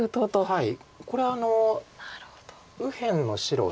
はい。